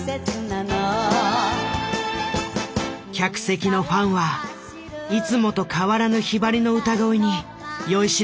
客席のファンはいつもと変わらぬひばりの歌声に酔いしれた。